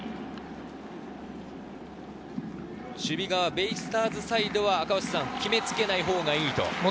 ベイスターズサイドは決めつけないほうがいい。